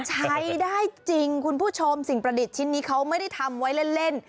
ใช้ได้จริงคุณผู้ชมสิ่งประดิษฐ์ชิ้นนี้เขาไม่ได้ทำไว้เล่น